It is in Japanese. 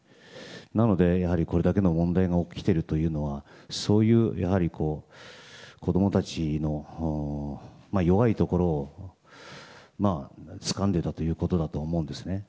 なので、やはりこれだけの問題が起きているというのはそういうやはり子供たちの弱いところをつかんでいたということだと思うんですね。